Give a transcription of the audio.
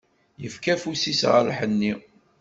Yefka afus-is ɣer lḥenni.